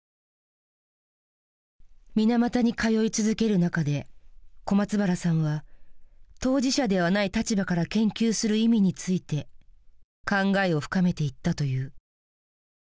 水俣に通い続ける中で小松原さんは当事者ではない立場から研究する意味について考えを深めていったという。